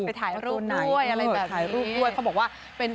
ไปถ่ายรูปด้วยอะไรแบบนี้เขาบอกว่าไปถ่ายรูปด้วยอะไรแบบนี้